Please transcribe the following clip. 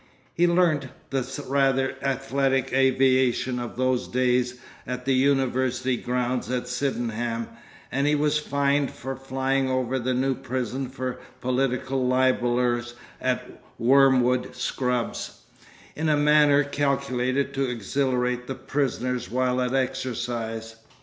He learnt the rather athletic aviation of those days at the University grounds at Sydenham, and he was fined for flying over the new prison for political libellers at Wormwood Scrubs, 'in a manner calculated to exhilarate the prisoners while at exercise.